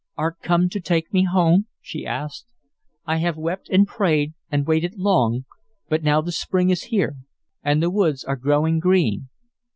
"Art come to take me home?" she asked. "I have wept and prayed and waited long, but now the spring is here and the woods are growing green."